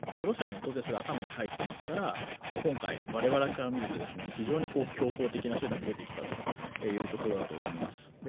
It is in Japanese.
ロシアも当然、それ、頭に入ってますから今回我々からみると非常に強硬的な手段に出てきたというところだと思います。